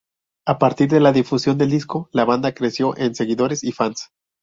A partir de la difusión del disco, la banda creció en seguidores y fans.